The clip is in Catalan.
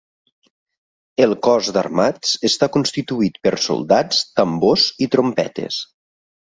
El cos d'Armats està constituït per "soldats", "tambors" i "trompetes".